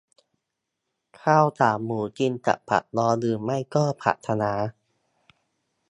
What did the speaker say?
ข้าวขาหมูกินกับผักดองหรือไม่ก็ผักคะน้า